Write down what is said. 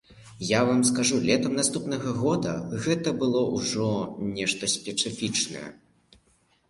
Я вам скажу, летам наступнага года гэта было ўжо нешта спецыфічнае.